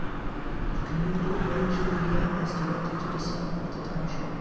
The community of Granger, Indiana, is directly to the south of the township.